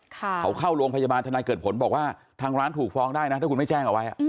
เขาเข้าโรงพยาบาลทนายเกิดผลบอกว่าทางร้านถูกฟ้องได้นะถ้าคุณไม่แจ้งเอาไว้